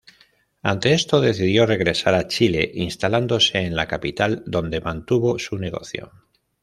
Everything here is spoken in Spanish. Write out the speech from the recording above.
Ante esto, decidió regresar a Chile, instalándose en la capital, donde mantuvo su negocio.